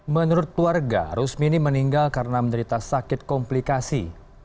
menurut keluarga rusmini meninggal karena menderita sakit komplikasi